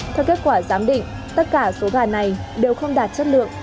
theo kết quả giám định tất cả số gà này đều không đạt chất lượng